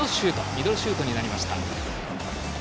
ミドルシュートになりました。